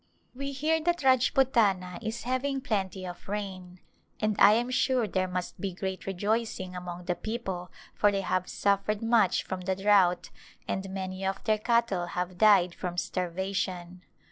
We hear that Rajputana is having plenty of rain, and I am sure there must be great rejoicing among the people for they have suffered much from the drought and many of their cattle have died from starvation.